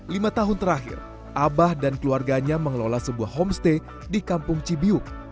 lima tahun terakhir abah dan keluarganya mengelola sebuah homestay di kampung cibiuk